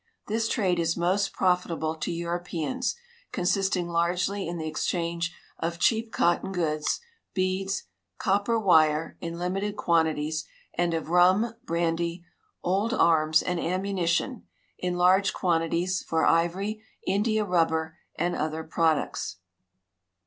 This trade is most profitable to Europeans, consisting largely in the exchange of cheap cotton goods, beads, copper wire, in limited quantities, and of rum, brandy, old arms, and ammunition, in large quanti ties, for ivory, india ruV>ber, and other products.